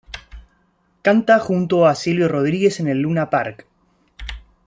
Canta junto a Silvio Rodríguez en el Luna Park.